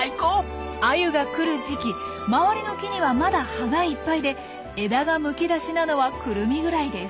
アユが来る時期周りの木にはまだ葉がいっぱいで枝がむき出しなのはクルミぐらいです。